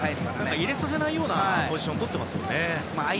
入れさせないようなポジションをとっていますよね。